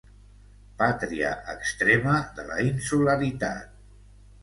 Pàtria extrema de la insularitat.